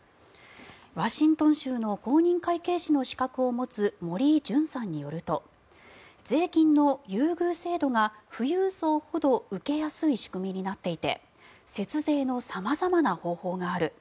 ワシントン州の公認会計士の資格を持つ森井じゅんさんによると税金の優遇制度が富裕層ほど受けやすい仕組みになっていて節税の様々な方法がある。